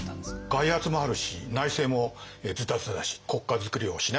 外圧もあるし内政もズタズタだし国家づくりをしなきゃならないと。